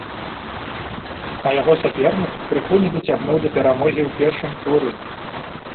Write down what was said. А яго сапернік крыху не дацягнуў да перамогі ў першым туры!